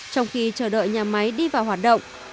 trong khi chờ đợi nhà máy đi vào hoạt động